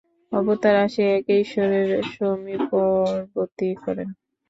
অবতার আসিয়া ইহাকে ঈশ্বরের সমীপবর্তী করেন।